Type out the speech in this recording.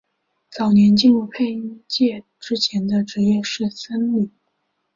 早年进入配音业界之前的职业是僧侣。